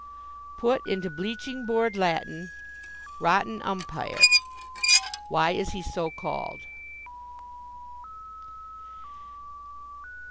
Put into bleaching board Latin, "Rotten umpire." Why is he so called?